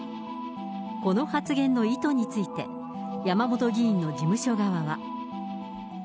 この発言の意図について、山本議員の事務所側は。